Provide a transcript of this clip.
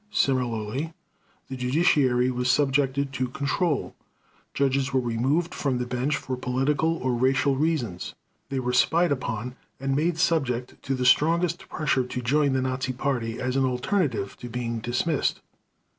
Similarly, the judiciary was subjected to control. Judges were removed from the bench for political or racial reasons. They were spied upon and made subject to the strongest pressure to join the Nazi Party as an alternative to being dismissed.